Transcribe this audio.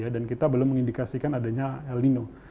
kita belum mengindikasikan adanya el nino